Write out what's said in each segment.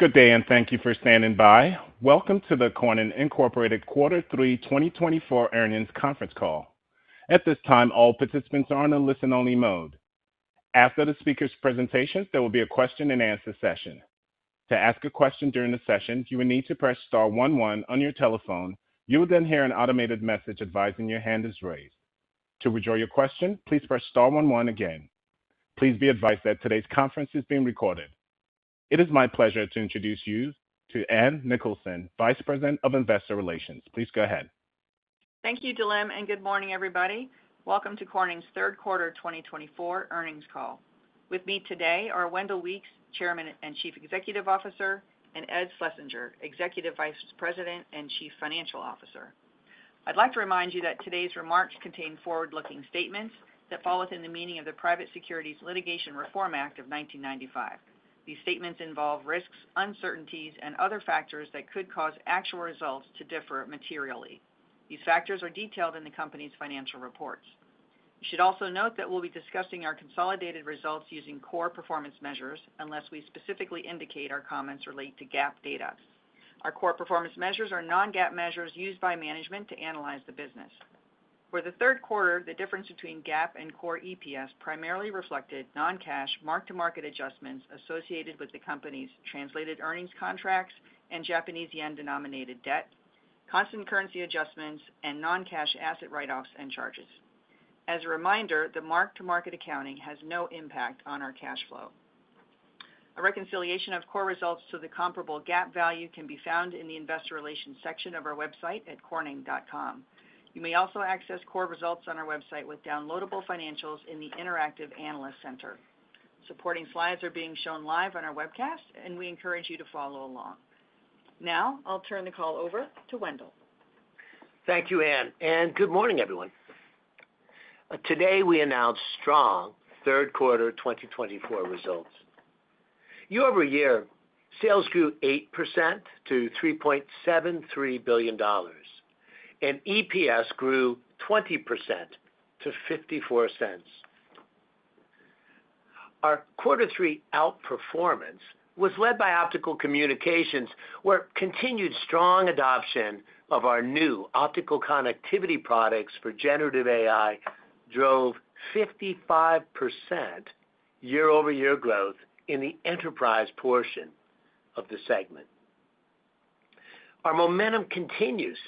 Good day, and thank you for standing by. Welcome to the Corning Incorporated Quarter 3, 2024 earnings conference call. At this time, all participants are in a listen-only mode. After the speaker's presentations, there will be a question-and-answer session. To ask a question during the session, you will need to press star one one on your telephone. You will then hear an automated message advising your hand is raised. To withdraw your question, please press star one one again. Please be advised that today's conference is being recorded. It is my pleasure to introduce you to Ann Nicholson, Vice President of Investor Relations. Please go ahead. Thank you, Dilem, and good morning, everybody. Welcome to Corning's Third Quarter 2024 earnings call. With me today are Wendell Weeks, Chairman and Chief Executive Officer, and Ed Schlesinger, Executive Vice President and Chief Financial Officer. I'd like to remind you that today's remarks contain forward-looking statements that fall within the meaning of the Private Securities Litigation Reform Act of 1995. These statements involve risks, uncertainties, and other factors that could cause actual results to differ materially. These factors are detailed in the company's financial reports. You should also note that we'll be discussing our consolidated results using core performance measures unless we specifically indicate our comments relate to GAAP data. Our core performance measures are Non-GAAP measures used by management to analyze the business. For the third quarter, the difference between GAAP and core EPS primarily reflected non-cash mark-to-market adjustments associated with the company's translated earnings contracts and Japanese yen-denominated debt, constant currency adjustments, and non-cash asset write-offs and charges. As a reminder, the mark-to-market accounting has no impact on our cash flow. A reconciliation of core results to the comparable GAAP value can be found in the Investor Relations section of our website at corning.com. You may also access core results on our website with downloadable financials in the Interactive Analyst Center. Supporting slides are being shown live on our webcast, and we encourage you to follow along. Now, I'll turn the call over to Wendell. Thank you, Ann, and good morning, everyone. Today, we announced strong Third Quarter 2024 results. Year-over-year, sales grew 8% to $3.73 billion, and EPS grew 20% to $0.54. Our Quarter 3 outperformance was led by Optical Communications, where continued strong adoption of our new Optical connectivity products for Generative AI drove 55% year-over-year growth in the enterprise portion of the segment. Our momentum continues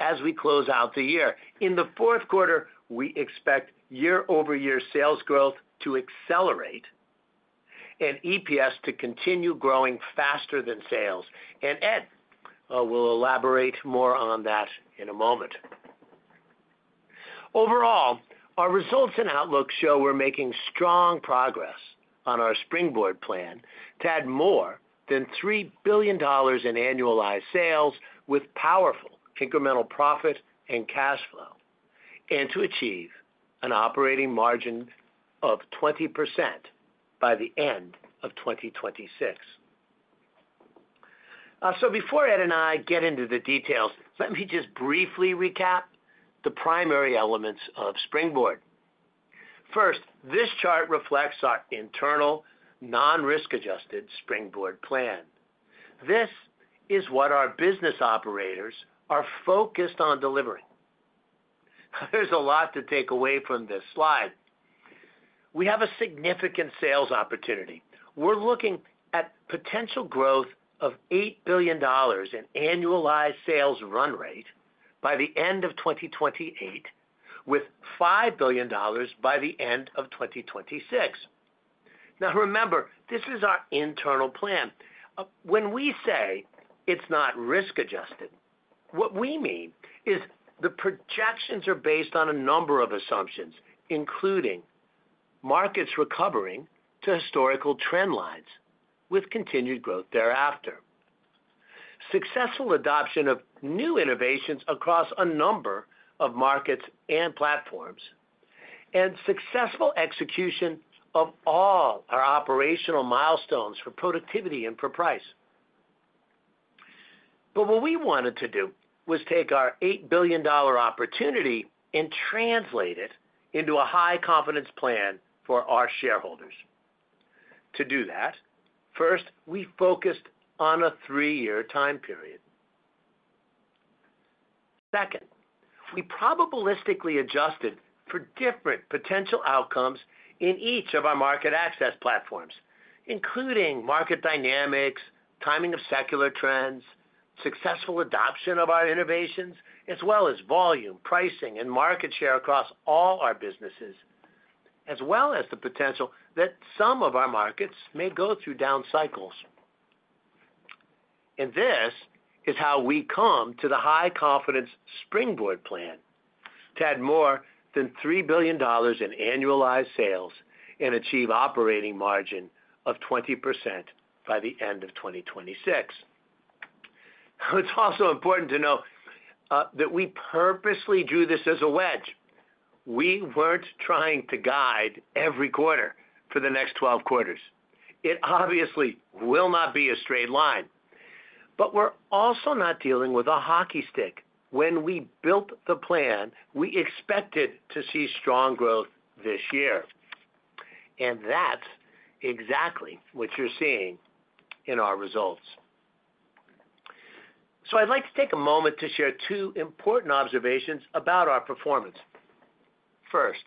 as we close out the year. In the fourth quarter, we expect year-over-year sales growth to accelerate and EPS to continue growing faster than sales, and Ed will elaborate more on that in a moment. Overall, our results and outlook show we're making strong progress on our Springboard plan to add more than $3 billion in annualized sales with powerful incremental profit and cash flow, and to achieve an operating margin of 20% by the end of 2026. So before Ed and I get into the details, let me just briefly recap the primary elements of Springboard. First, this chart reflects our internal non-risk-adjusted Springboard plan. This is what our business operators are focused on delivering. There's a lot to take away from this slide. We have a significant sales opportunity. We're looking at potential growth of $8 billion in annualized sales run rate by the end of 2028, with $5 billion by the end of 2026. Now, remember, this is our internal plan. When we say it's not risk-adjusted, what we mean is the projections are based on a number of assumptions, including markets recovering to historical trend lines with continued growth thereafter, successful adoption of new innovations across a number of markets and platforms, and successful execution of all our operational milestones for productivity and for price. But what we wanted to do was take our $8 billion opportunity and translate it into a high-confidence plan for our shareholders. To do that, first, we focused on a three-year time period. Second, we probabilistically adjusted for different potential outcomes in each of our Market-Access Platforms, including market dynamics, timing of secular trends, successful adoption of our innovations, as well as volume, pricing, and market share across all our businesses, as well as the potential that some of our markets may go through down cycles. And this is how we come to the high-confidence Springboard plan to add more than $3 billion in annualized sales and achieve operating margin of 20% by the end of 2026. It's also important to know that we purposely drew this as a wedge. We weren't trying to guide every quarter for the next 12 quarters. It obviously will not be a straight line. But we're also not dealing with a hockey stick. When we built the plan, we expected to see strong growth this year. And that's exactly what you're seeing in our results. So I'd like to take a moment to share two important observations about our performance. First,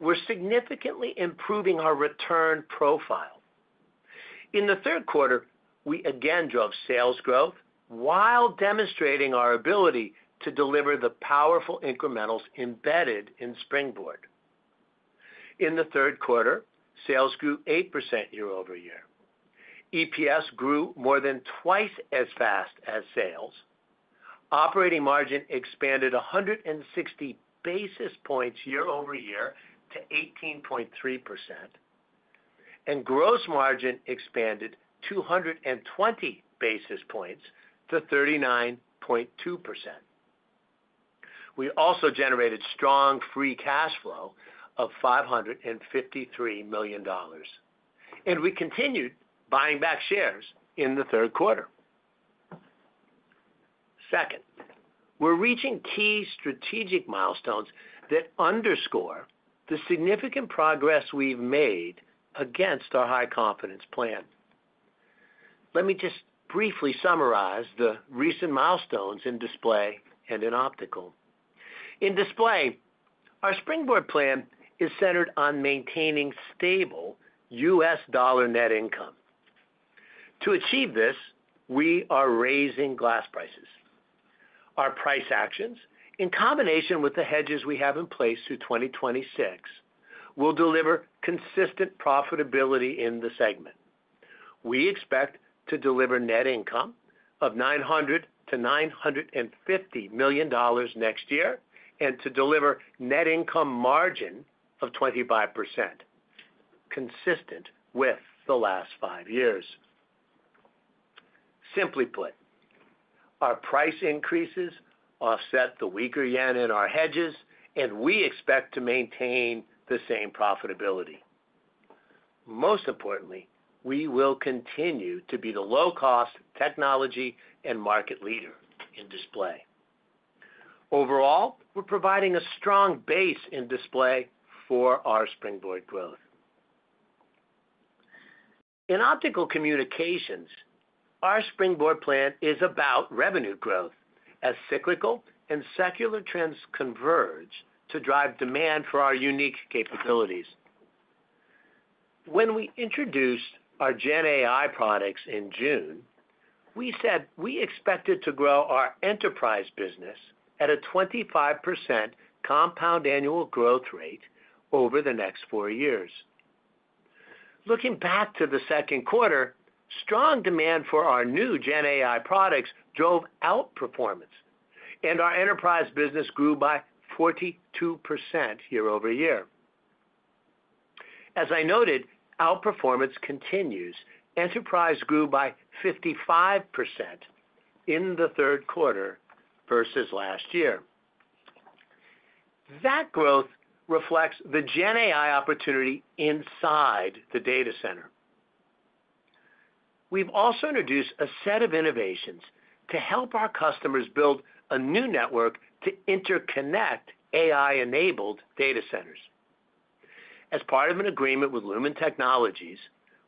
we're significantly improving our return profile. In the third quarter, we again drove sales growth while demonstrating our ability to deliver the powerful incrementals embedded in Springboard. In the third quarter, sales grew 8% year-over-year. EPS grew more than twice as fast as sales. Operating margin expanded 160 basis points year-over-year to 18.3%, and gross margin expanded 220 basis points to 39.2%. We also generated strong free cash flow of $553 million. And we continued buying back shares in the third quarter. Second, we're reaching key strategic milestones that underscore the significant progress we've made against our high-confidence plan. Let me just briefly summarize the recent milestones in Display and in Optical. In Display, our Springboard plan is centered on maintaining stable U.S. dollar net income. To achieve this, we are raising glass prices. Our price actions, in combination with the hedges we have in place through 2026, will deliver consistent profitability in the segment. We expect to deliver net income of $900 million-$950 million next year and to deliver net income margin of 25%, consistent with the last five years. Simply put, our price increases offset the weaker yen in our hedges, and we expect to maintain the same profitability. Most importantly, we will continue to be the low-cost technology and market leader in Display. Overall, we're providing a strong base in Display for our Springboard growth. In Optical Communications, our Springboard plan is about revenue growth as cyclical and secular trends converge to drive demand for our unique capabilities. When we introduced our GenAI products in June, we said we expected to grow our enterprise business at a 25% compound annual growth rate over the next four years. Looking back to the second quarter, strong demand for our new GenAI products drove outperformance, and our enterprise business grew by 42% year-over-year. As I noted, outperformance continues. Enterprise grew by 55% in the third quarter versus last year. That growth reflects the GenAI opportunity inside the data center. We've also introduced a set of innovations to help our customers build a new network to interconnect AI-enabled data centers. As part of an agreement with Lumen Technologies,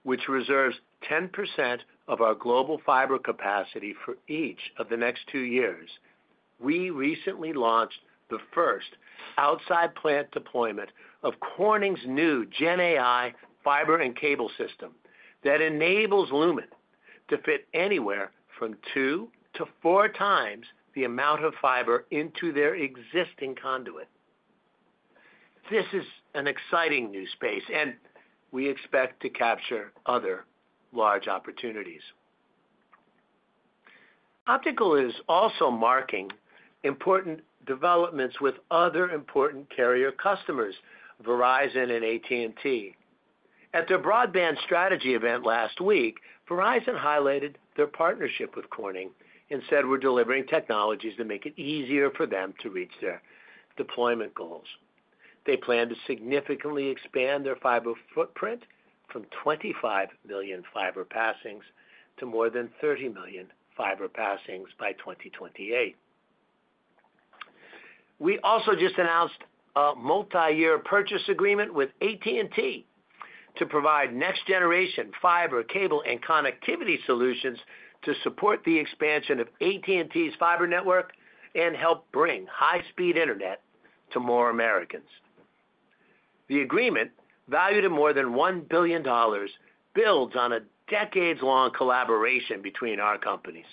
which reserves 10% of our global fiber capacity for each of the next two years, we recently launched the first outside plant deployment of Corning's new GenAI fiber and cable system that enables Lumen to fit anywhere from two to four times the amount of fiber into their existing conduit. This is an exciting new space, and we expect to capture other large opportunities. Optical is also marking important developments with other important carrier customers, Verizon and AT&T. At their broadband strategy event last week, Verizon highlighted their partnership with Corning and said we're delivering technologies that make it easier for them to reach their deployment goals. They plan to significantly expand their fiber footprint from 25 million fiber passings to more than 30 million fiber passings by 2028. We also just announced a multi-year purchase agreement with AT&T to provide next-generation fiber, cable, and connectivity solutions to support the expansion of AT&T's fiber network and help bring high-speed internet to more Americans. The agreement, valued at more than $1 billion, builds on a decades-long collaboration between our companies.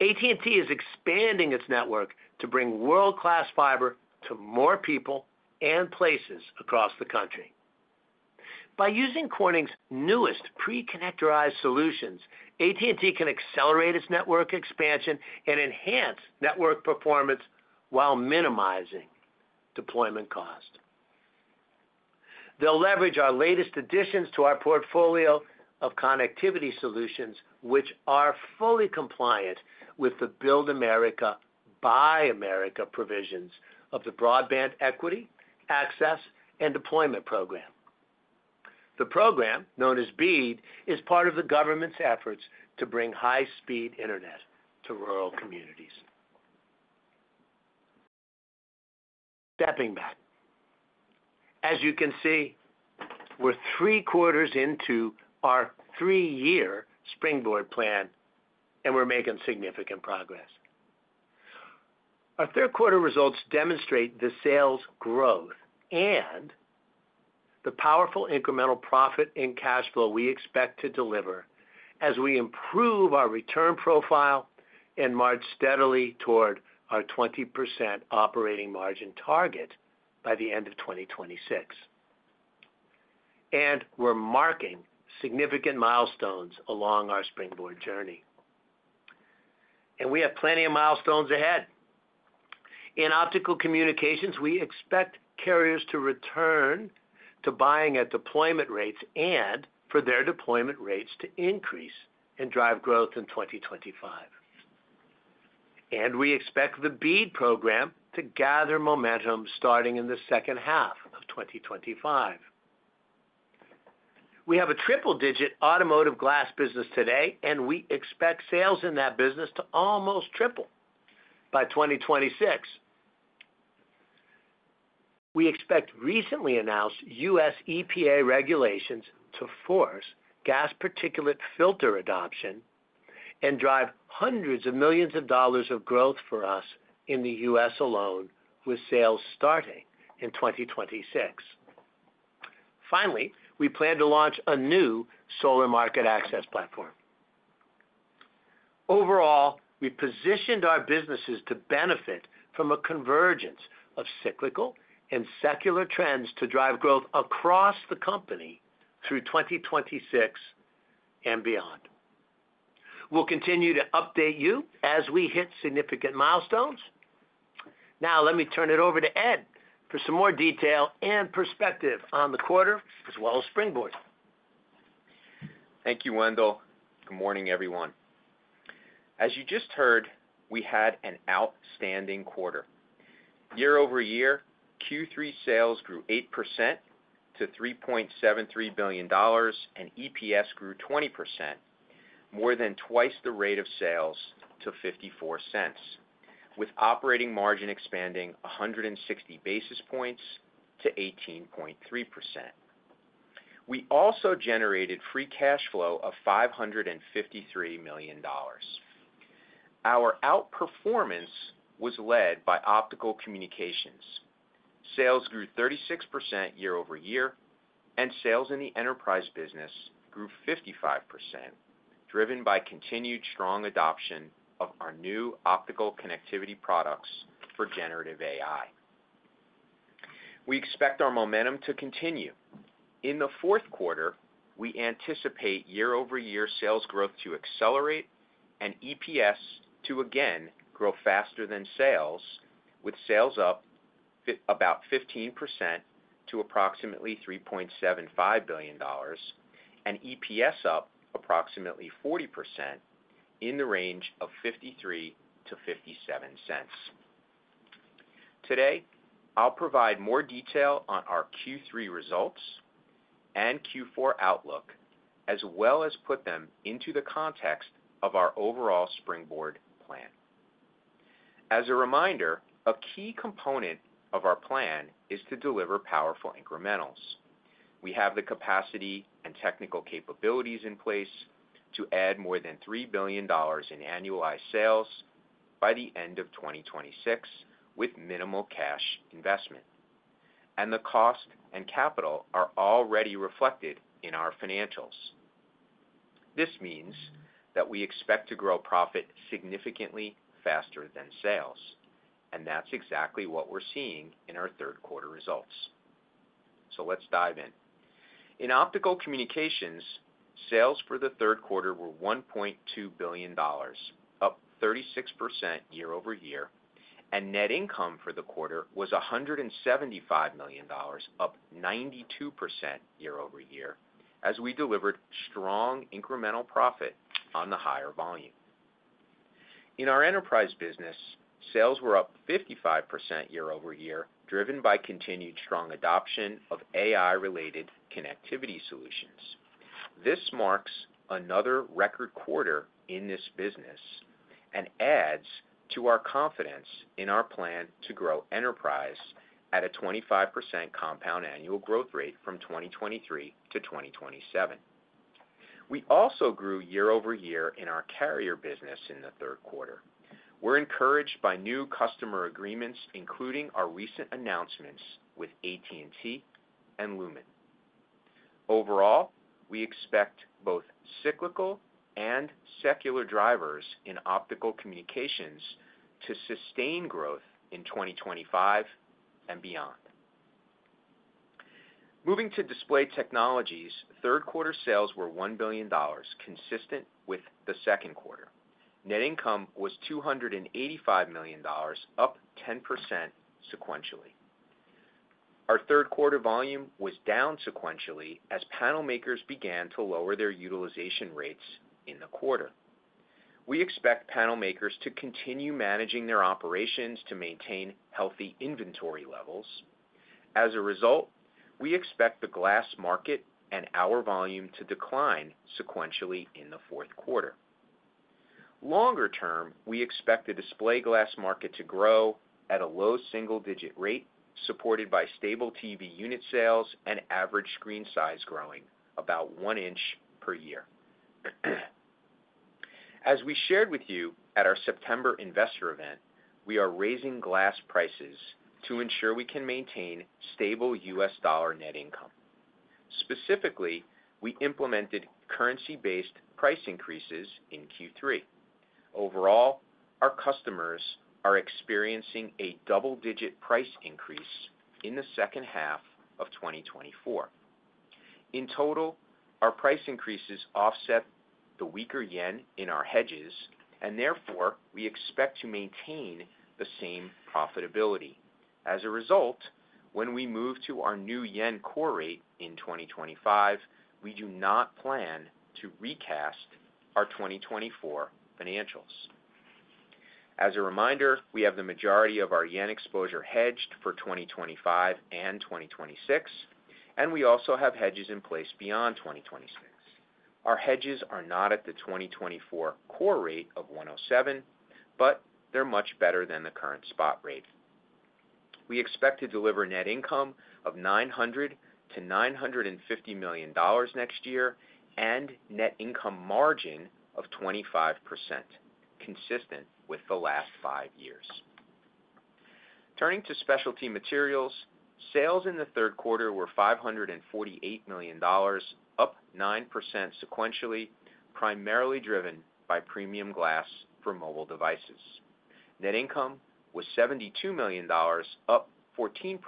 AT&T is expanding its network to bring world-class fiber to more people and places across the country. By using Corning's newest pre-connectorized solutions, AT&T can accelerate its network expansion and enhance network performance while minimizing deployment cost. They'll leverage our latest additions to our portfolio of connectivity solutions, which are fully compliant with the Build America, Buy America provisions of the Broadband Equity Access and Deployment Program. The program, known as BEAD, is part of the government's efforts to bring high-speed internet to rural communities. Stepping back. As you can see, we're three quarters into our three-year Springboard plan, and we're making significant progress. Our third quarter results demonstrate the sales growth and the powerful incremental profit and cash flow we expect to deliver as we improve our return profile and march steadily toward our 20% operating margin target by the end of 2026, and we're marking significant milestones along our Springboard journey, and we have plenty of milestones ahead. In Optical Communications, we expect carriers to return to buying at deployment rates and for their deployment rates to increase and drive growth in 2025, and we expect the BEAD Program to gather momentum starting in the second half of 2025. We have a triple-digit Automotive Glass business today, and we expect sales in that business to almost triple by 2026. We expect recently announced U.S. EPA regulations to force gas particulate filter adoption and drive hundreds of millions of dollars of growth for us in the U.S. alone, with sales starting in 2026. Finally, we plan to launch a new solar Market-Access Platform. Overall, we've positioned our businesses to benefit from a convergence of cyclical and secular trends to drive growth across the company through 2026 and beyond. We'll continue to update you as we hit significant milestones. Now, let me turn it over to Ed for some more detail and perspective on the quarter as well as Springboard. Thank you, Wendell. Good morning, everyone. As you just heard, we had an outstanding quarter. Year-over-year, Q3 sales grew 8% to $3.73 billion, and EPS grew 20%, more than twice the rate of sales to $0.54, with operating margin expanding 160 basis points to 18.3%. We also generated free cash flow of $553 million. Our outperformance was led by Optical Communications. Sales grew 36% year-over-year, and sales in the enterprise business grew 55%, driven by continued strong adoption of our new Optical connectivity products for Generative AI. We expect our momentum to continue. In the fourth quarter, we anticipate year-over-year sales growth to accelerate and EPS to again grow faster than sales, with sales up about 15% to approximately $3.75 billion and EPS up approximately 40% in the range of $0.53-$0.57. Today, I'll provide more detail on our Q3 results and Q4 outlook, as well as put them into the context of our overall Springboard plan. As a reminder, a key component of our plan is to deliver powerful incrementals. We have the capacity and technical capabilities in place to add more than $3 billion in annualized sales by the end of 2026 with minimal cash investment. and the cost and capital are already reflected in our financials. This means that we expect to grow profit significantly faster than sales. And that's exactly what we're seeing in our third quarter results. so let's dive in. In Optical Communications, sales for the third quarter were $1.2 billion, up 36% year-over-year. And net income for the quarter was $175 million, up 92% year-over-year, as we delivered strong incremental profit on the higher volume. In our enterprise business, sales were up 55% year-over-year, driven by continued strong adoption of AI-related connectivity solutions. This marks another record quarter in this business and adds to our confidence in our plan to grow enterprise at a 25% compound annual growth rate from 2023 to 2027. We also grew year-over-year in our carrier business in the third quarter. We're encouraged by new customer agreements, including our recent announcements with AT&T and Lumen. Overall, we expect both cyclical and secular drivers in Optical Communications to sustain growth in 2025 and beyond. Moving to Display Technologies, third quarter sales were $1 billion, consistent with the second quarter. Net income was $285 million, up 10% sequentially. Our third quarter volume was down sequentially as panel makers began to lower their utilization rates in the quarter. We expect panel makers to continue managing their operations to maintain healthy inventory levels. As a result, we expect the glass market and our volume to decline sequentially in the fourth quarter. Longer term, we expect the Display glass market to grow at a low single-digit rate, supported by stable TV unit sales and average screen size growing about one inch per year. As we shared with you at our September investor event, we are raising glass prices to ensure we can maintain stable U.S. dollar net income. Specifically, we implemented currency-based price increases in Q3. Overall, our customers are experiencing a double-digit price increase in the second half of 2024. In total, our price increases offset the weaker yen in our hedges, and therefore, we expect to maintain the same profitability. As a result, when we move to our new yen core rate in 2025, we do not plan to recast our 2024 financials. As a reminder, we have the majority of our yen exposure hedged for 2025 and 2026, and we also have hedges in place beyond 2026. Our hedges are not at the 2024 core rate of 107, but they're much better than the current spot rate. We expect to deliver net income of $900 million-$950 million next year and net income margin of 25%, consistent with the last five years. Turning to Specialty Materials, sales in the third quarter were $548 million, up 9% sequentially, primarily driven by premium glass for mobile devices. Net income was $72 million, up 14%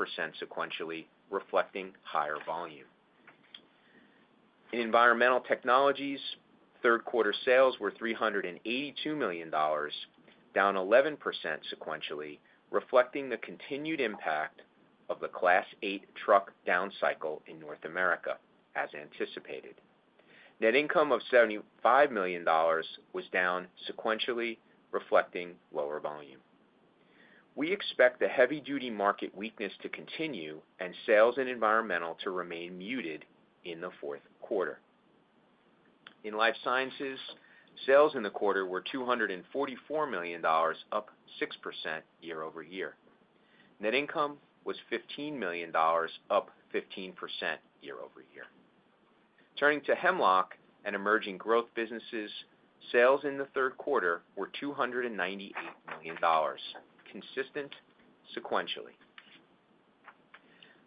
sequentially, reflecting higher volume. In Environmental Technologies, third quarter sales were $382 million, down 11% sequentially, reflecting the continued impact of the Class 8 truck down cycle in North America, as anticipated. Net income of $75 million was down sequentially, reflecting lower volume. We expect the heavy-duty market weakness to continue and sales in Environmental Technologies to remain muted in the fourth quarter. In Life Sciences, sales in the quarter were $244 million, up 6% year-over-year. Net income was $15 million, up 15% year-over-year. Turning to Hemlock and Emerging Growth Businesses, sales in the third quarter were $298 million, consistent sequentially.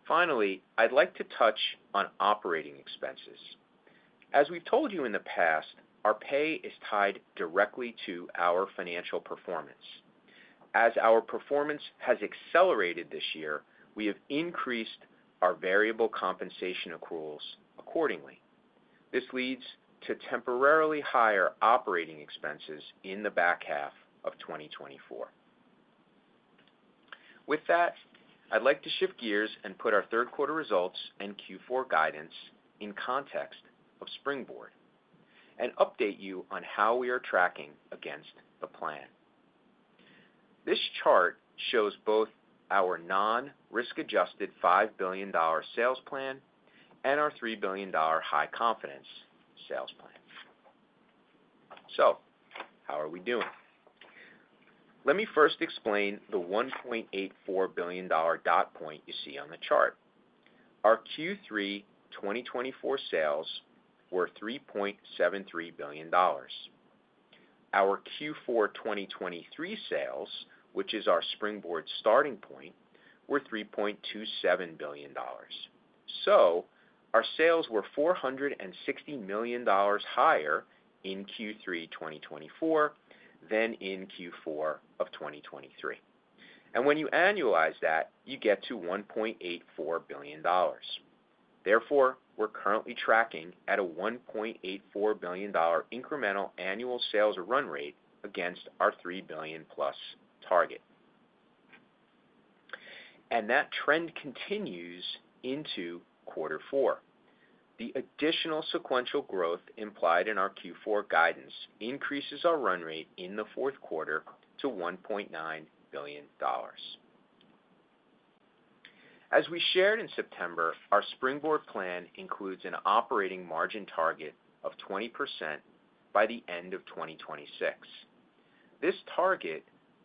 Finally, I'd like to touch on operating expenses. As we've told you in the past, our pay is tied directly to our financial performance. As our performance has accelerated this year, we have increased our variable compensation accruals accordingly. This leads to temporarily higher operating expenses in the back half of 2024. With that, I'd like to shift gears and put our third quarter results and Q4 guidance in context of Springboard and update you on how we are tracking against the plan. This chart shows both our non-risk-adjusted $5 billion sales plan and our $3 billion high confidence sales plan. So how are we doing? Let me first explain the $1.84 billion dot point you see on the chart. Our Q3 2024 sales were $3.73 billion. Our Q4 2023 sales, which is our Springboard starting point, were $3.27 billion. So our sales were $460 million higher in Q3 2024 than in Q4 of 2023. When you annualize that, you get to $1.84 billion. Therefore, we're currently tracking at a $1.84 billion incremental annual sales run rate against our $3+ billion target. That trend continues into quarter four. The additional sequential growth implied in our Q4 guidance increases our run rate in the fourth quarter to $1.9 billion. As we shared in September, our Springboard plan includes an operating margin target of 20% by the end of 2026. This target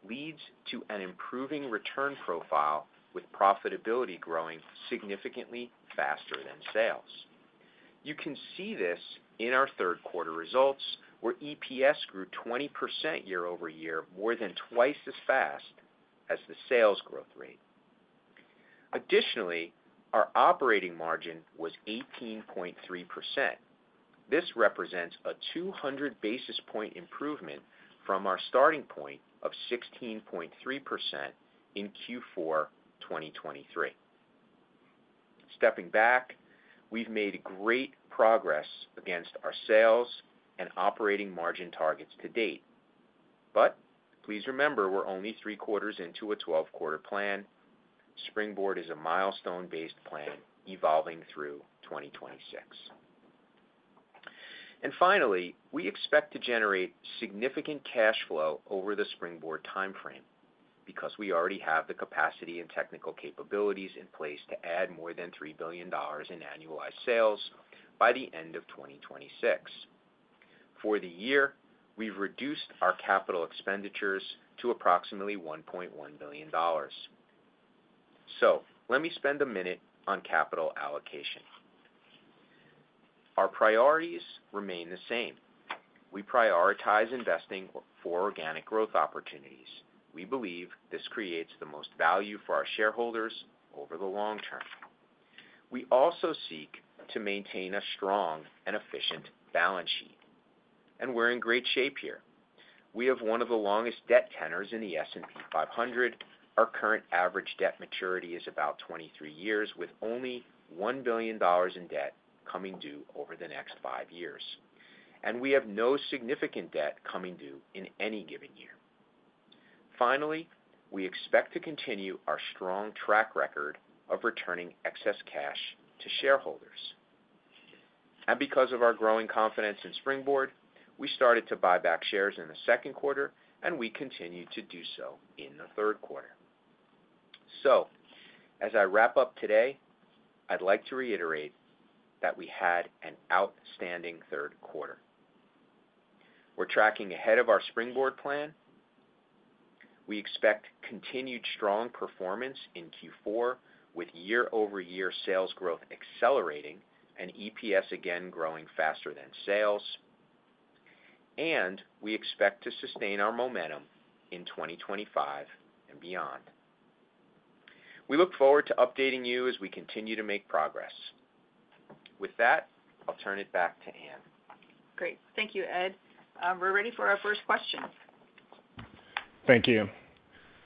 leads to an improving return profile with profitability growing significantly faster than sales. You can see this in our third quarter results, where EPS grew 20% year-over-year, more than twice as fast as the sales growth rate. Additionally, our operating margin was 18.3%. This represents a 200 basis point improvement from our starting point of 16.3% in Q4 2023. Stepping back, we've made great progress against our sales and operating margin targets to date, but please remember, we're only three quarters into a 12-quarter plan. Springboard is a milestone-based plan evolving through 2026, and finally, we expect to generate significant cash flow over the Springboard timeframe because we already have the capacity and technical capabilities in place to add more than $3 billion in annualized sales by the end of 2026. For the year, we've reduced our capital expenditures to approximately $1.1 billion, so let me spend a minute on capital allocation. Our priorities remain the same. We prioritize investing for organic growth opportunities. We believe this creates the most value for our shareholders over the long term. We also seek to maintain a strong and efficient balance sheet, and we're in great shape here. We have one of the longest debt tenors in the S&P 500. Our current average debt maturity is about 23 years, with only $1 billion in debt coming due over the next five years. And we have no significant debt coming due in any given year. Finally, we expect to continue our strong track record of returning excess cash to shareholders. And because of our growing confidence in Springboard, we started to buy back shares in the second quarter, and we continue to do so in the third quarter. So as I wrap up today, I'd like to reiterate that we had an outstanding third quarter. We're tracking ahead of our Springboard plan. We expect continued strong performance in Q4, with year-over-year sales growth accelerating and EPS again growing faster than sales. And we expect to sustain our momentum in 2025 and beyond. We look forward to updating you as we continue to make progress. With that, I'll turn it back to Ann. Great. Thank you, Ed. We're ready for our first question. Thank you.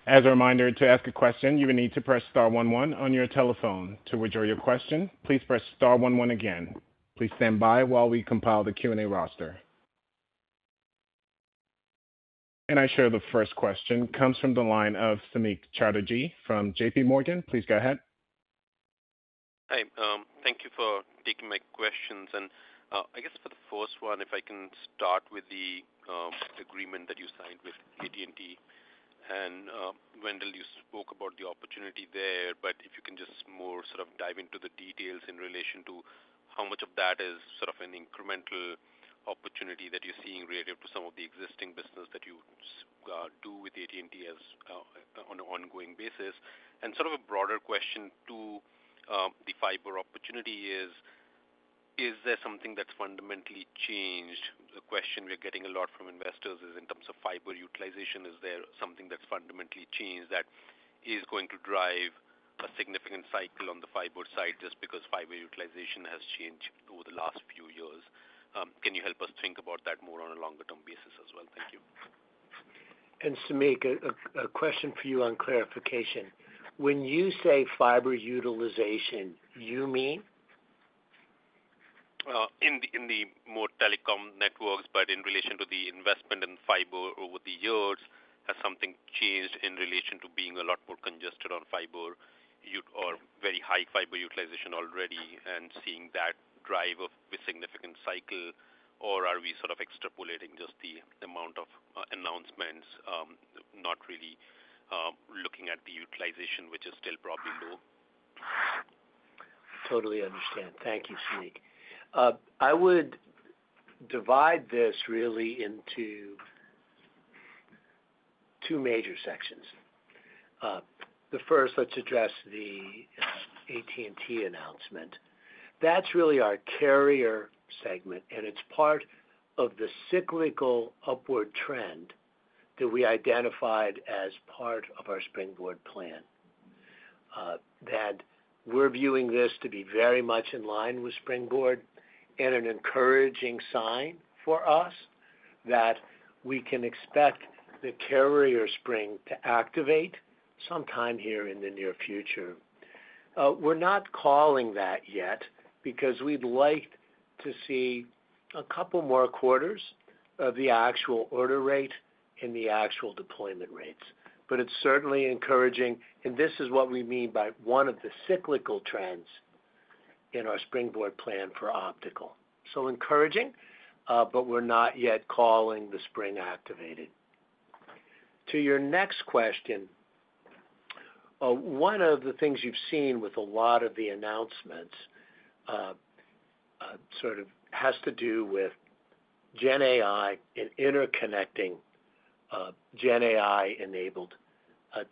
As a reminder, to ask a question, you would need to press star one one on your telephone. To withdraw your question, please press star one one again. Please stand by while we compile the Q&A roster. And the first question comes from the line of Samik Chatterjee from J.P. Morgan. Please go ahead. Hi. Thank you for taking my questions. And I guess for the first one, if I can start with the agreement that you signed with AT&T and Wendell, you spoke about the opportunity there. But if you can just more sort of dive into the details in relation to how much of that is sort of an incremental opportunity that you're seeing relative to some of the existing business that you do with AT&T on an ongoing basis. And sort of a broader question to the fiber opportunity is, is there something that's fundamentally changed? The question we're getting a lot from investors is in terms of fiber utilization, is there something that's fundamentally changed that is going to drive a significant cycle on the fiber side just because fiber utilization has changed over the last few years? Can you help us think about that more on a longer-term basis as well? Thank you. And Samik, a question for you on clarification. When you say fiber utilization, you mean? In the more telecom networks, but in relation to the investment in fiber over the years, has something changed in relation to being a lot more congested on fiber or very high fiber utilization already and seeing that drive of a significant cycle, or are we sort of extrapolating just the amount of announcements, not really looking at the utilization, which is still probably low? Totally understand. Thank you, Samik. I would divide this really into two major sections. The first, let's address the AT&T announcement. That's really our carrier segment, and it's part of the cyclical upward trend that we identified as part of our Springboard plan. That we're viewing this to be very much in line with Springboard and an encouraging sign for us that we can expect the carrier spring to activate sometime here in the near future. We're not calling that yet because we'd like to see a couple more quarters of the actual order rate and the actual deployment rates. But it's certainly encouraging, and this is what we mean by one of the cyclical trends in our Springboard plan for Optical, so encouraging, but we're not yet calling the spring activated. To your next question, one of the things you've seen with a lot of the announcements sort of has to do with GenAI and interconnecting GenAI-enabled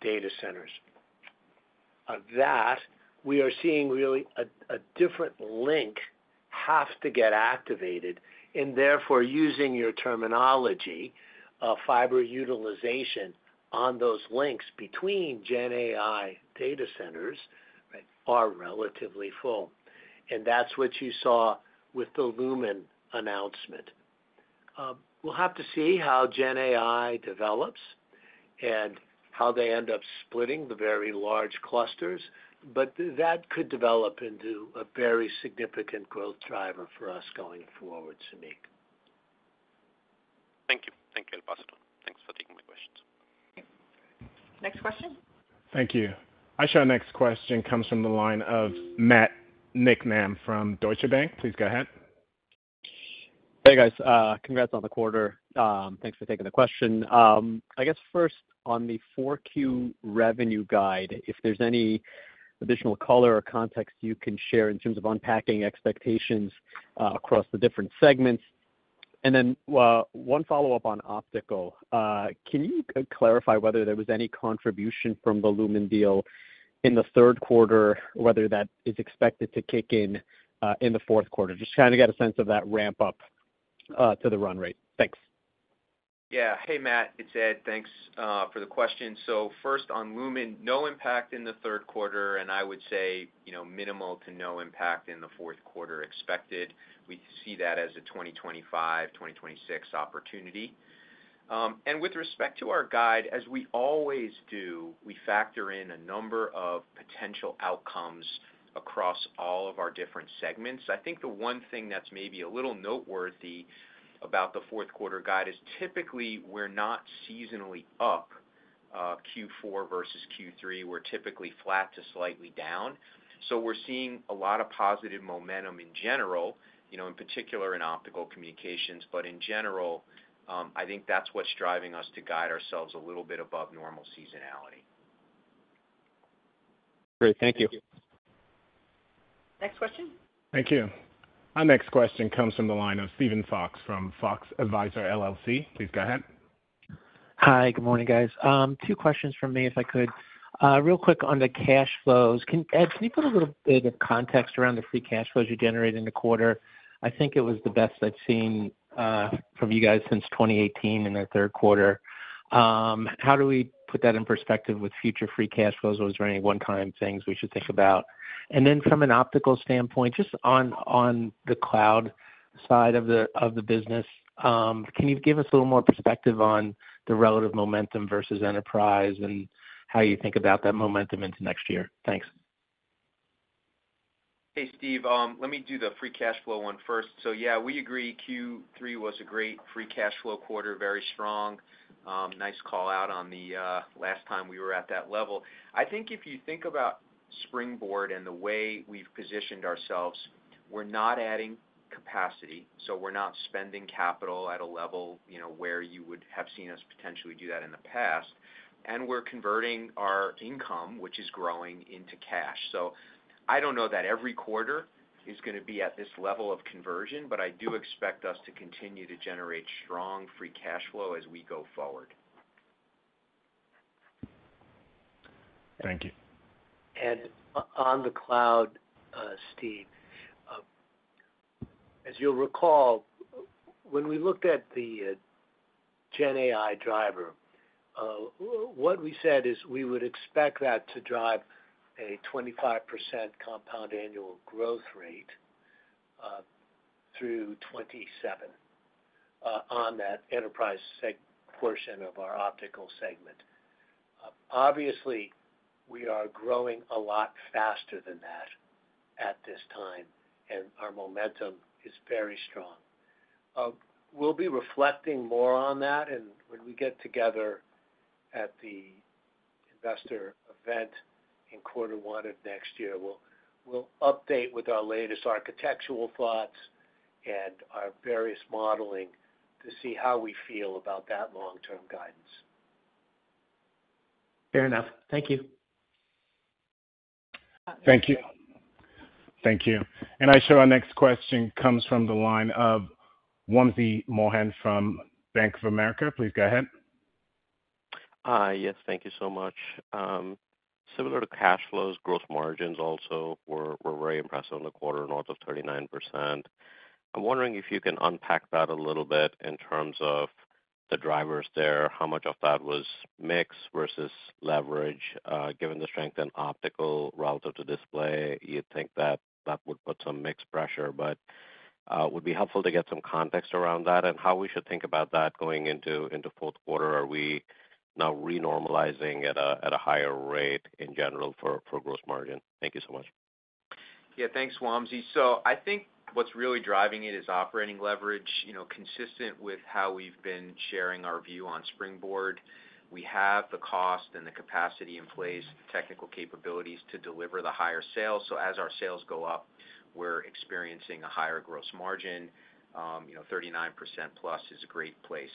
data centers. Of that, we are seeing really a different link have to get activated, and therefore, using your terminology, fiber utilization on those links between GenAI data centers are relatively full, and that's what you saw with the Lumen announcement. We'll have to see how GenAI develops and how they end up splitting the very large clusters, but that could develop into a very significant growth driver for us going forward, Samik. Thank you. Thank you, operator. Thanks for taking my questions. Next question. Thank you. The next question comes from the line of Matt Niknam from Deutsche Bank. Please go ahead. Hey, guys. Congrats on the quarter. Thanks for taking the question. I guess first, on the 4Q revenue guide, if there's any additional color or context you can share in terms of unpacking expectations across the different segments? And then one follow-up on Optical. Can you clarify whether there was any contribution from the Lumen deal in the third quarter, whether that is expected to kick in in the fourth quarter? Just trying to get a sense of that ramp up to the run rate. Thanks. Yeah. Hey, Matt. It's Ed. Thanks for the question. So first, on Lumen, no impact in the third quarter, and I would say minimal to no impact in the fourth quarter expected. We see that as a 2025, 2026 opportunity. And with respect to our guide, as we always do, we factor in a number of potential outcomes across all of our different segments. I think the one thing that's maybe a little noteworthy about the fourth quarter guide is typically we're not seasonally up Q4 versus Q3. We're typically flat to slightly down. So we're seeing a lot of positive momentum in general, in particular in Optical Communications. But in general, I think that's what's driving us to guide ourselves a little bit above normal seasonality. Great. Thank you. Next question. Thank you. Our next question comes from the line of Steven Fox from Fox Advisors LLC. Please go ahead. Hi. Good morning, guys. Two questions from me, if I could. Real quick on the cash flows. Ed, can you put a little bit of context around the free cash flows you generated in the quarter? I think it was the best I've seen from you guys since 2018 in the third quarter. How do we put that in perspective with future free cash flows? Was there any one-time things we should think about? And then from an Optical standpoint, just on the cloud side of the business, can you give us a little more perspective on the relative momentum versus enterprise and how you think about that momentum into next year? Thanks. Hey, Steve. Let me do the free cash flow one first. So yeah, we agree Q3 was a great free cash flow quarter, very strong. Nice call out on the last time we were at that level. I think if you think about Springboard and the way we've positioned ourselves, we're not adding capacity. So we're not spending capital at a level where you would have seen us potentially do that in the past. And we're converting our income, which is growing, into cash. So I don't know that every quarter is going to be at this level of conversion, but I do expect us to continue to generate strong free cash flow as we go forward. Thank you. And on the cloud, Steve, as you'll recall, when we looked at the GenAI driver, what we said is we would expect that to drive a 25% compound annual growth rate through 2027 on that enterprise segment portion of our Optical segment. Obviously, we are growing a lot faster than that at this time, and our momentum is very strong. We'll be reflecting more on that, and when we get together at the investor event in quarter one of next year, we'll update with our latest architectural thoughts and our various modeling to see how we feel about that long-term guidance. Fair enough. Thank you. Thank you. Thank you. And our next question comes from the line of Wamsi Mohan from Bank of America. Please go ahead. Yes. Thank you so much. Similar to cash flows, gross margins also were very impressive in the quarter, north of 39%. I'm wondering if you can unpack that a little bit in terms of the drivers there, how much of that was mix versus leverage. Given the strength in Optical relative to Display, you'd think that that would put some mixed pressure, but it would be helpful to get some context around that and how we should think about that going into fourth quarter. Are we now renormalizing at a higher rate in general for gross margin? Thank you so much. Yeah. Thanks, Wamsi. So I think what's really driving it is operating leverage, consistent with how we've been sharing our view on Springboard. We have the cost and the capacity in place, technical capabilities to deliver the higher sales. So as our sales go up, we're experiencing a higher gross margin. 39%+ is a great place.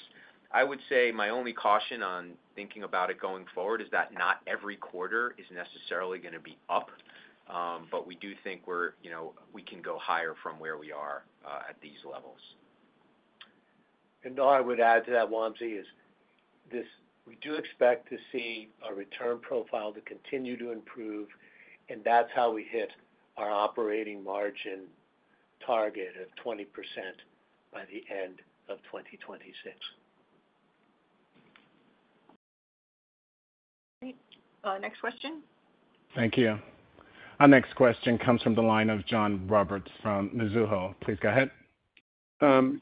I would say my only caution on thinking about it going forward is that not every quarter is necessarily going to be up, but we do think we can go higher from where we are at these levels. And all I would add to that, Wamsi, is we do expect to see our return profile to continue to improve, and that's how we hit our operating margin target of 20% by the end of 2026. Next question. Thank you. Our next question comes from the line of John Roberts from Mizuho. Please go ahead.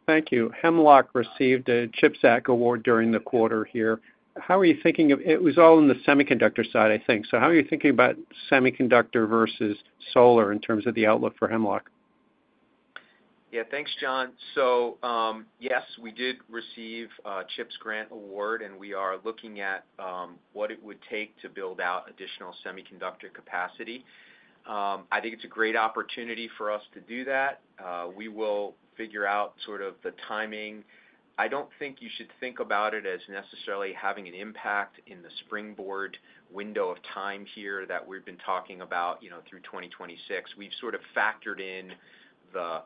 Thank you. a CHIPS Act award during the quarter here. How are you thinking about it? It was all on the semiconductor side, I think. So how are you thinking about semiconductor versus solar in terms of the outlook for Hemlock? Yeah. Thanks, John. So yes, we did receive a CHIPS grant award, and we are looking at what it would take to build out additional semiconductor capacity. I think it's a great opportunity for us to do that. We will figure out sort of the timing. I don't think you should think about it as necessarily having an impact in the Springboard window of time here that we've been talking about through 2026. We've sort of factored in the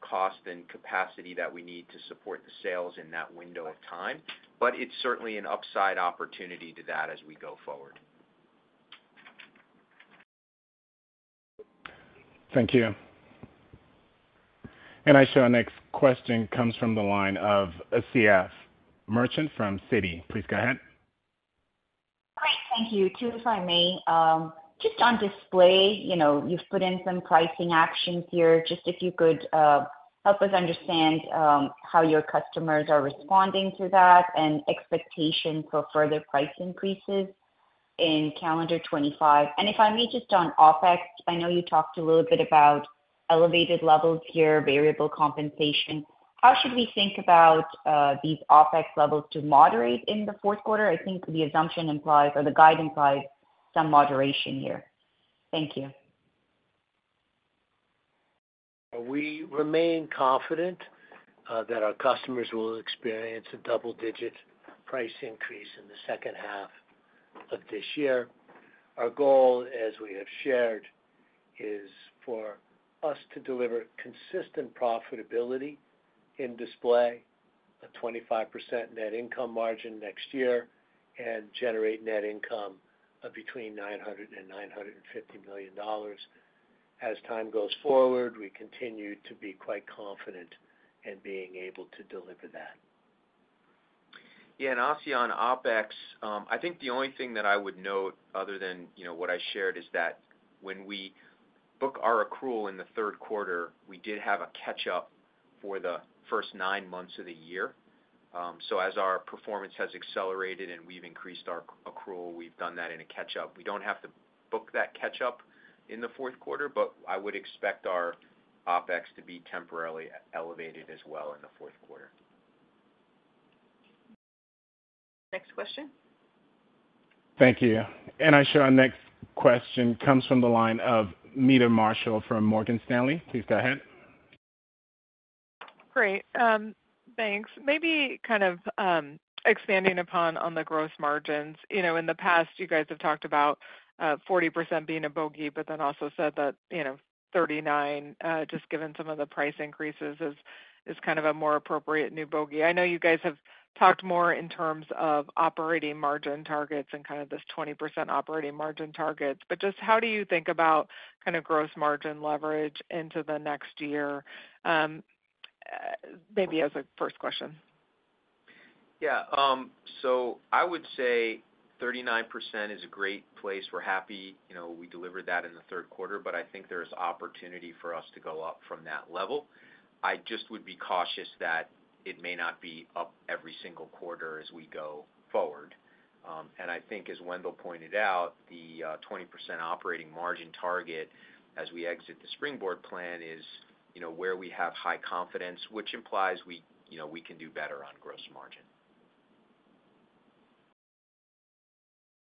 cost and capacity that we need to support the sales in that window of time, but it's certainly an upside opportunity to that as we go forward. Thank you. And our next question comes from the line of Asiya Merchant from Citi. Please go ahead. Great. Thank you. Two if I may. Just on Display, you've put in some pricing actions here. Just if you could help us understand how your customers are responding to that and expectations for further price increases in calendar 2025. And if I may, just on OpEx, I know you talked a little bit about elevated levels here, variable compensation. How should we think about these OpEx levels to moderate in the fourth quarter? I think the assumption implies or the guidance implies some moderation here. Thank you. We remain confident that our customers will experience a double-digit price increase in the second half of this year. Our goal, as we have shared, is for us to deliver consistent profitability in Display, a 25% net income margin next year, and generate net income between $900 million-$950 million. As time goes forward, we continue to be quite confident in being able to deliver that. Yeah. Obviously, on OpEx, I think the only thing that I would note other than what I shared is that when we book our accrual in the third quarter, we did have a catch-up for the first nine months of the year. So as our performance has accelerated and we've increased our accrual, we've done that in a catch-up. We don't have to book that catch-up in the fourth quarter, but I would expect our OpEx to be temporarily elevated as well in the fourth quarter. Next question. Thank you. And our next question comes from the line of Meta Marshall from Morgan Stanley. Please go ahead. Great. Thanks. Maybe kind of expanding upon the gross margins. In the past, you guys have talked about 40% being a bogey, but then also said that 39%, just given some of the price increases, is kind of a more appropriate new bogey. I know you guys have talked more in terms of operating margin targets and kind of this 20% operating margin targets, but just how do you think about kind of gross margin leverage into the next year? Maybe as a first question. Yeah. So I would say 39% is a great place. We're happy we delivered that in the third quarter, but I think there is opportunity for us to go up from that level. I just would be cautious that it may not be up every single quarter as we go forward. I think, as Wendell pointed out, the 20% operating margin target as we exit the Springboard plan is where we have high confidence, which implies we can do better on gross margin.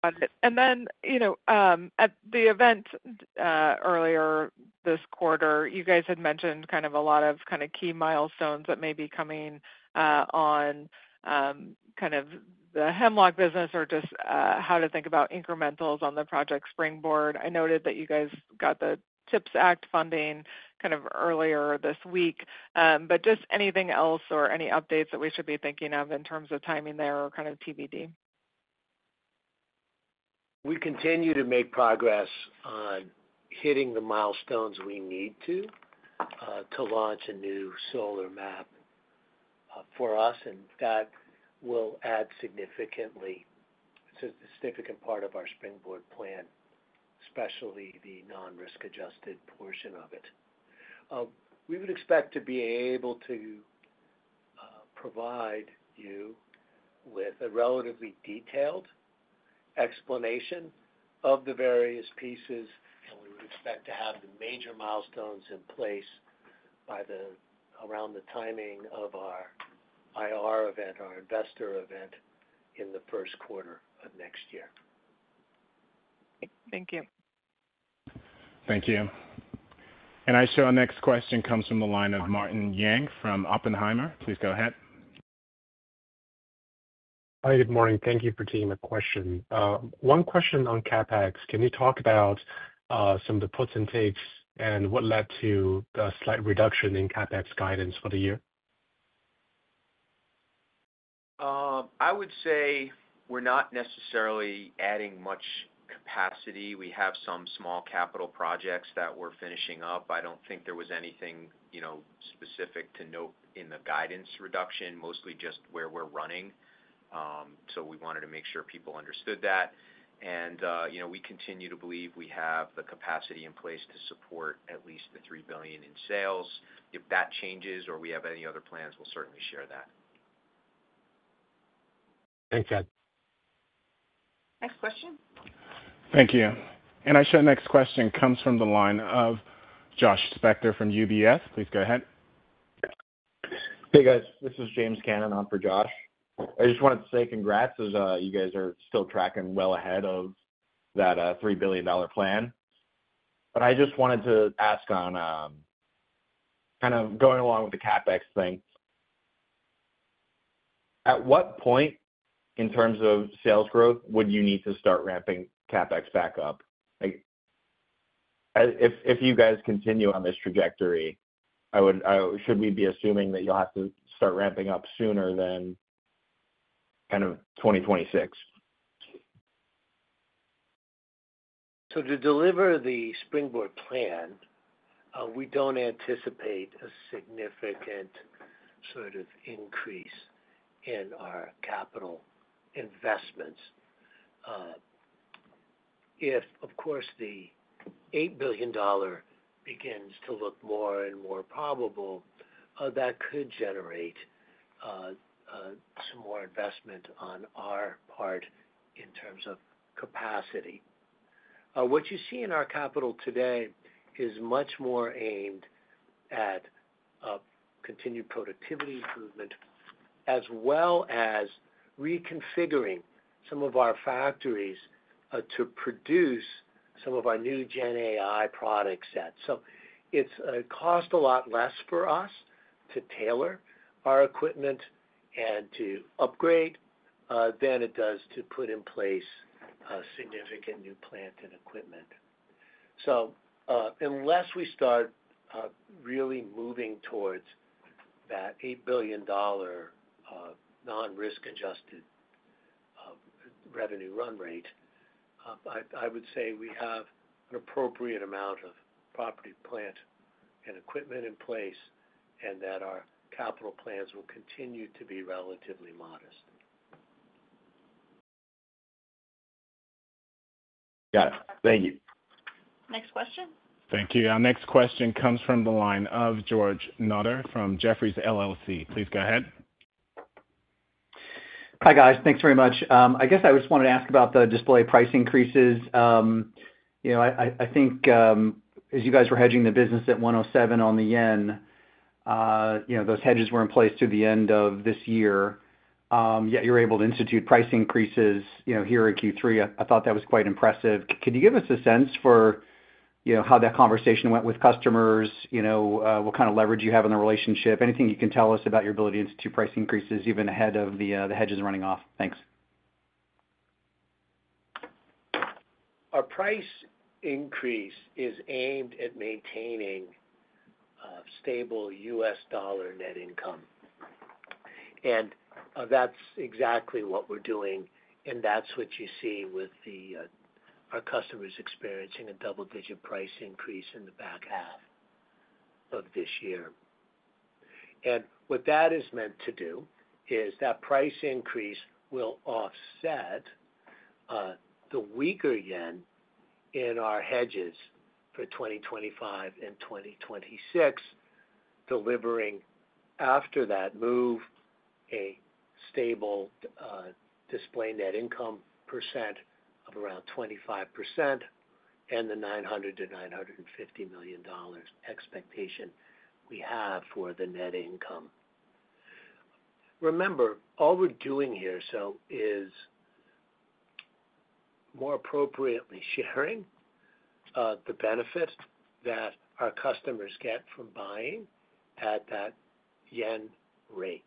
Got it. Then at the event earlier this quarter, you guys had mentioned kind of a lot of kind of key milestones that may be coming on kind of the Hemlock business or just how to think about incrementals on the project Springboard. I noted that you guys got the CHIPS Act funding kind of earlier this week. Just anything else or any updates that we should be thinking of in terms of timing there or kind of TBD? We continue to make progress on hitting the milestones we need to launch a new solar MAP for us, and that will add significantly to the significant part of our Springboard plan, especially the non-risk-adjusted portion of it. We would expect to be able to provide you with a relatively detailed explanation of the various pieces, and we would expect to have the major milestones in place around the timing of our IR event, our investor event in the first quarter of next year. Thank you. Thank you. And our next question comes from the line of Martin Yang from Oppenheimer. Please go ahead. Hi. Good morning. Thank you for taking the question. One question on CapEx. Can you talk about some of the puts and takes and what led to the slight reduction in CapEx guidance for the year? I would say we're not necessarily adding much capacity. We have some small capital projects that we're finishing up. I don't think there was anything specific to note in the guidance reduction, mostly just where we're running. So we wanted to make sure people understood that. And we continue to believe we have the capacity in place to support at least the $3 billion in sales. If that changes or we have any other plans, we'll certainly share that. Thanks, guys. Next question. Thank you. And our next question comes from the line of Josh Specter from UBS. Please go ahead. Hey, guys. This is James Cannon on for Josh. I just wanted to say congrats as you guys are still tracking well ahead of that $3 billion plan. But I just wanted to ask on kind of going along with the CapEx thing. At what point in terms of sales growth would you need to start ramping CapEx back up? If you guys continue on this trajectory, should we be assuming that you'll have to start ramping up sooner than kind of 2026? To deliver the Springboard plan, we don't anticipate a significant sort of increase in our capital investments. If, of course, the $8 billion begins to look more and more probable, that could generate some more investment on our part in terms of capacity. What you see in our capital today is much more aimed at continued productivity improvement as well as reconfiguring some of our factories to produce some of our new GenAI products set. So it's cost a lot less for us to tailor our equipment and to upgrade than it does to put in place a significant new plant and equipment. So unless we start really moving towards that $8 billion non-risk-adjusted revenue run rate, I would say we have an appropriate amount of property, plant, and equipment in place and that our capital plans will continue to be relatively modest. Got it. Thank you. Next question. Thank you. Our next question comes from the line of George Notter from Jefferies LLC. Please go ahead. Hi, guys. Thanks very much. I guess I just wanted to ask about the Display price increases. I think as you guys were hedging the business at 107 on the yen, those hedges were in place through the end of this year. Yet you were able to institute price increases here in Q3. I thought that was quite impressive. Could you give us a sense for how that conversation went with customers? What kind of leverage you have in the relationship? Anything you can tell us about your ability to institute price increases even ahead of the hedges running off? Thanks. Our price increase is aimed at maintaining stable U.S. dollar net income, and that's exactly what we're doing, and that's what you see with our customers experiencing a double-digit price increase in the back half of this year, and what that is meant to do is that price increase will offset the weaker yen in our hedges for 2025 and 2026, delivering after that move a stable Display net income percent of around 25% and the $900 million-$950 million expectation we have for the net income. Remember, all we're doing here is more appropriately sharing the benefits that our customers get from buying at that yen rate.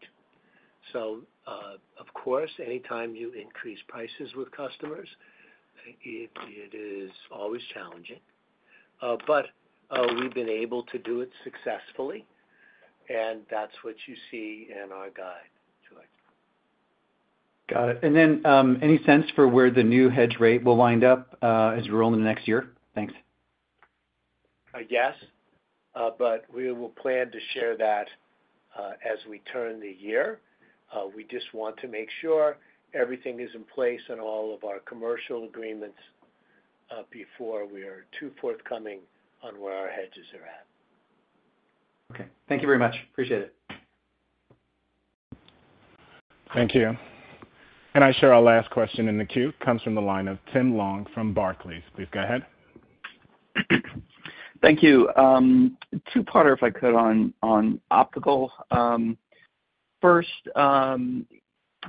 So, of course, anytime you increase prices with customers, it is always challenging. But we've been able to do it successfully, and that's what you see in our guide, George. Got it. And then any sense for where the new hedge rate will wind up as we roll into next year? Thanks. Yes. But we will plan to share that as we turn the year. We just want to make sure everything is in place and all of our commercial agreements before we are too forthcoming on where our hedges are at. Okay. Thank you very much. Appreciate it. Thank you. And we have our last question in the queue. It comes from the line of Tim Long from Barclays. Please go ahead. Thank you. Two-parter if I could on Optical. First,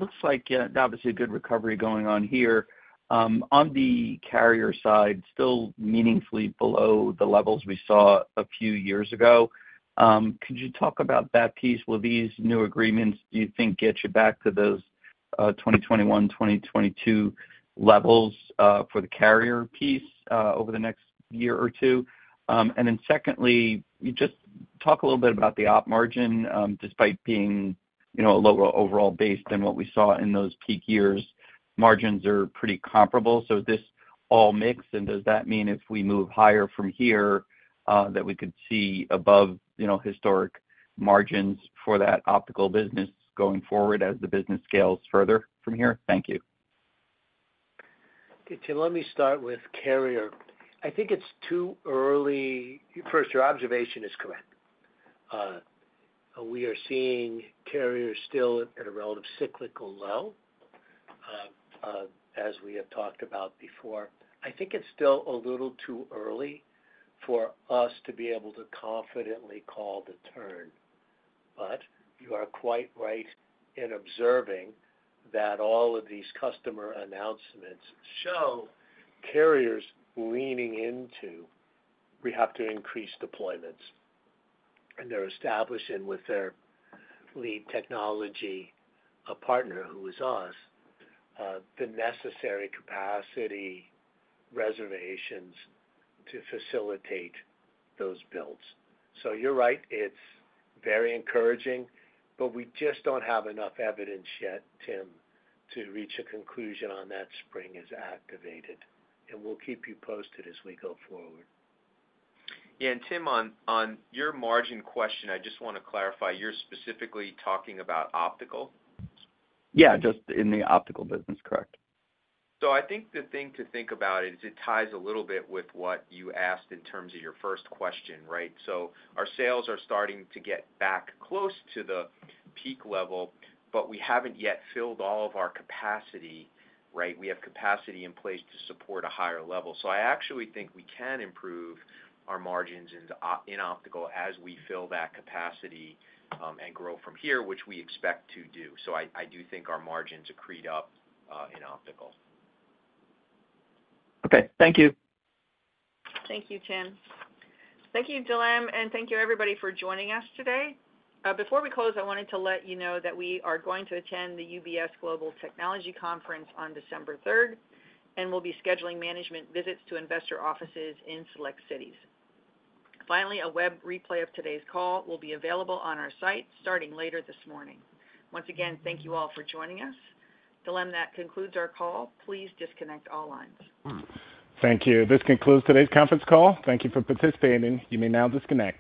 looks like obviously a good recovery going on here. On the carrier side, still meaningfully below the levels we saw a few years ago. Could you talk about that piece? Will these new agreements, do you think, get you back to those 2021, 2022 levels for the carrier piece over the next year or two? And then secondly, just talk a little bit about the op margin. Despite being a lower overall base than what we saw in those peak years, margins are pretty comparable. So this all mixed, and does that mean if we move higher from here that we could see above historic margins for that Optical business going forward as the business scales further from here? Thank you. Okay. Let me start with carrier. I think it's too early. First, your observation is correct. We are seeing carriers still at a relative cyclical low, as we have talked about before. I think it's still a little too early for us to be able to confidently call the turn. But you are quite right in observing that all of these customer announcements show carriers leaning into we have to increase deployments. And they're establishing with their lead technology partner, who is us, the necessary capacity reservations to facilitate those builds. So you're right. It's very encouraging, but we just don't have enough evidence yet, Tim, to reach a conclusion on that spring is activated. And we'll keep you posted as we go forward. Yeah. And Tim, on your margin question, I just want to clarify. You're specifically talking about Optical? Yeah. Just in the Optical business. Correct. So I think the thing to think about is it ties a little bit with what you asked in terms of your first question, right? So our sales are starting to get back close to the peak level, but we haven't yet filled all of our capacity, right? We have capacity in place to support a higher level. So I actually think we can improve our margins in Optical as we fill that capacity and grow from here, which we expect to do. So I do think our margins accrete up in Optical. Okay. Thank you. Thank you, Tim. Thank you, Dilem. And thank you, everybody, for joining us today. Before we close, I wanted to let you know that we are going to attend the UBS Global Technology Conference on December 3rd, and we'll be scheduling management visits to investor offices in select cities. Finally, a web replay of today's call will be available on our site starting later this morning. Once again, thank you all for joining us. Dilem, that concludes our call. Please disconnect all lines. Thank you. This concludes today's conference call. Thank you for participating. You may now disconnect.